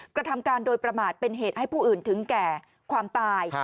กระทำการโดยประมาทเป็นเหตุให้ผู้อื่นถึงแก่ความตาย